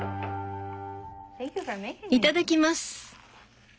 いただきます。